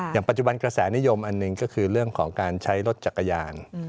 อย่างปัจจุบันกระแสนิยมอันหนึ่งก็คือเรื่องของการใช้รถจักรยาน